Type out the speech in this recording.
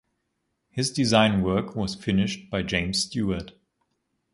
His design work was finished by James Stewart.